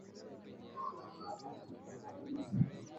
ya Vita Kuu ya Pili ya Dunia Kumi na nne Katika kipindi chake nchini